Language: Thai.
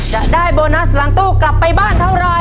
จะได้โบนัสหลังตู้กลับไปบ้านเท่าไร